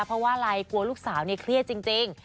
เพราะว่าอะไรกลัวลูกสาวเนี่ยเครียดจริง